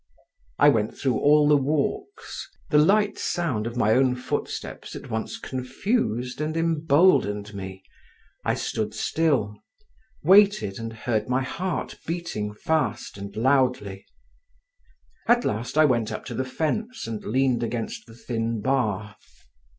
I went through all the walks; the light sound of my own footsteps at once confused and emboldened me; I stood still, waited and heard my heart beating fast and loudly. At last I went up to the fence and leaned against the thin bar.